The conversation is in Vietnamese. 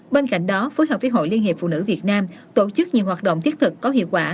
bên cạnh đó phối hợp với hội liên hiệp phụ nữ việt nam tổ chức nhiều hoạt động thiết thực có hiệu quả